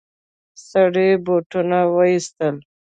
سړي بوټونه وايستل.